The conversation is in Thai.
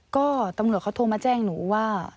ก็ตำรวจเขาโทรมาแจ้งหนูว่า